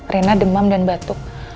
rena demam dan batuk